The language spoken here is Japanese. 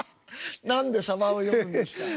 何でさばを読むんですか？